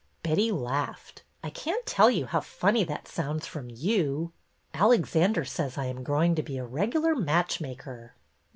Betty laughed. I can't tell you how funny that sounds from you." '' Alexander says I am growing to be a regular match maker